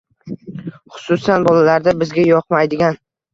Xususan, bolalarda bizga yoqmaydigan